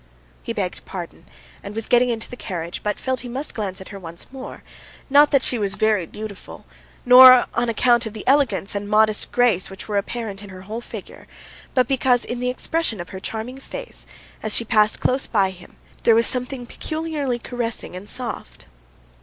He begged pardon, and was getting into the carriage, but felt he must glance at her once more; not that she was very beautiful, not on account of the elegance and modest grace which were apparent in her whole figure, but because in the expression of her charming face, as she passed close by him, there was something peculiarly caressing and soft.